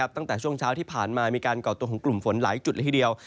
ตั้งแต่ช่วงเช้าที่ผ่านมามีการก่อตัวของกลุ่มฝนหลายจุดละทีเดียว